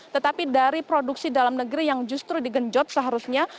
tetapi dari produksi dalam negeri yang justru digenjot seharusnya